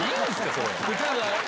それ。